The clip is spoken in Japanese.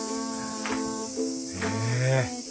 へえ。